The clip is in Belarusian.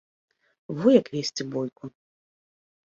Во як весці бойку!